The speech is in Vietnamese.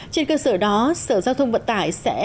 trên cơ sở đó sở giao thông vận tải sẽ